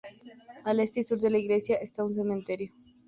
Al este y sur de la iglesia esta un cementerio.